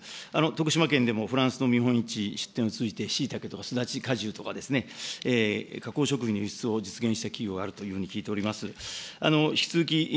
徳島県でもフランスの見本市、出展を通じて、シイタケとかスダチ果汁とかですね、加工食品の輸出を実現した企業があるというふうに聞いております。